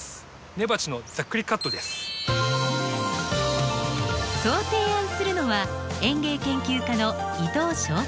根鉢のそう提案するのは園芸研究家の伊藤章太郎さん。